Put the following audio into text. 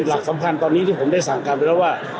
หลักสำคัญตอนนี้ที่ผมได้สั่งการไปแล้วว่า